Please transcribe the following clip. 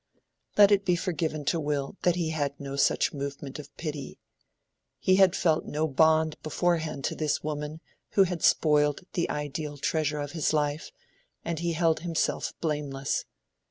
Let it be forgiven to Will that he had no such movement of pity. He had felt no bond beforehand to this woman who had spoiled the ideal treasure of his life, and he held himself blameless.